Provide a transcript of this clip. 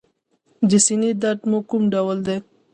د سینې درد مو کوم ډول دی؟